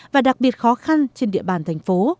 và đặc biệt khó khăn trên địa bàn thành phố